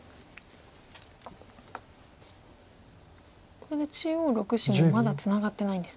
これで中央６子もまだツナがってないんですね。